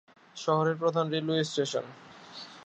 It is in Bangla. শহরের প্রধান রেলওয়ে স্টেশন।